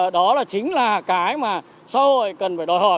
đó là chính là cái mà xã hội cần phải đòi hỏi